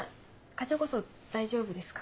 課長こそ大丈夫ですか？